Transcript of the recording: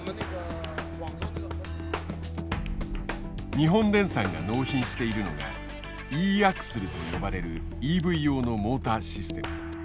日本電産が納品しているのが「イーアクスル」と呼ばれるＥＶ用のモーターシステム。